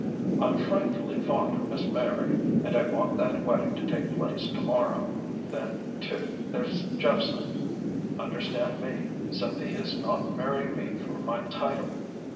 I'm frightfully fond of Miss Meyrick, and I want that wedding to take place to morrow. Then, too, there's Jephson. Understand me Cynthia is not marrying me for my title.